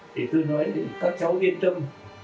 thì tôi nói các cháu yên tâm